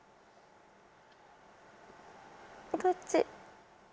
どっち？